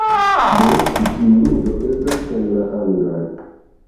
Do ĉi tiu ludo estas en la angla